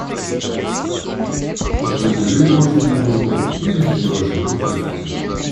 И платежей больше не нужно, и грехи ваши будут искуплены.